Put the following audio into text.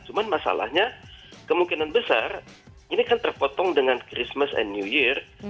cuma masalahnya kemungkinan besar ini kan terpotong dengan christmas and new year